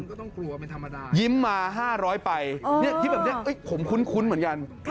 คลิปแบบนี้ผมคุ้นเหมือนกัน